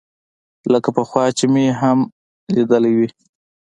لکه پخوا چې مې هم ليدلى وي.